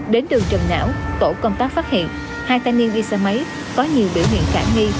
đến đường trần não tổ công tác phát hiện hai thanh niên đi xe máy có nhiều biểu hiện khả nghi